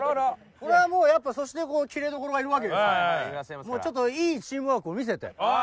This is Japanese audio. これはもうやっぱそしてキレイどころがいるわけですからちょっといいチームワークを見せて。